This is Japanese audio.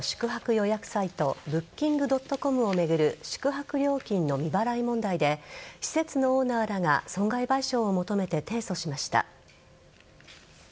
予約サイトブッキングドットコムを巡る宿泊料金の未払い問題で施設のオーナーらが損害賠償を求めて提訴しました。